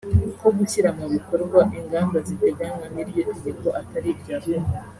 ko gushyira mu bikorwa ingamba ziteganywa n’iryo tegeko atari ibya vuba